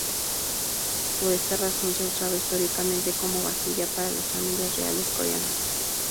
Por esta razón se ha usado históricamente como vajilla para las familias reales coreanas.